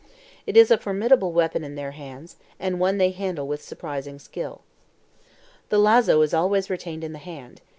It is a formidable weapon in their hands, and one they handle with surprising skill. The LAZO is always retained in the hand.